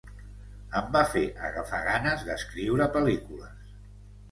Em va fer agafar ganes d'escriure pel·lícules.